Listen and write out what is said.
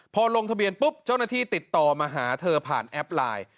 พอลงทะเบียนปุ๊บเจ้าหน้าที่ติดต่อมาหาเธอผ่านแอปไลน์